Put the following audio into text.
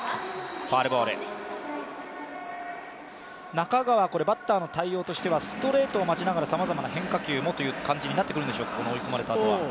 中川、バッターの対応としてはストレートを待ちながらさまざまな変化球もとなってくるんでしょう、追い込まれたあとは。